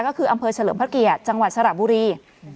ก็คืออำเภอเฉลิมพระเกียรติจังหวัดสระบุรี